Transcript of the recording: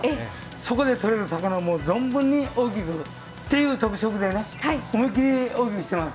そこでとれる魚を存分に大きくという特色で、思いっきり大きくしています。